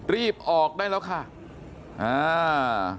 รีบออกได้แล้วค่ะอ่า